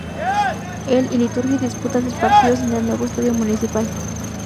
El Iliturgi disputa sus partidos en el Nuevo Estadio Municipal.